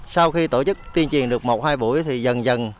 sau khi tổ chức tuyên truyền được một hai buổi thì dần dần